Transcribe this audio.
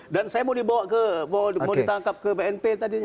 dan saya mau dibawa ke mau ditangkap ke bnp tadinya